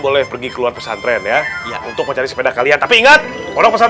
udah sabri aku gak percaya ada manis beda kuah kanan yang mana